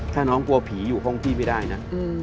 ถ้าน้องกลัวผีอยู่ห้องพี่ไม่ได้นะ